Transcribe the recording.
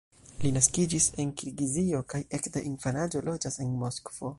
Li naskiĝis en Kirgizio, kaj ekde infanaĝo loĝas en Moskvo.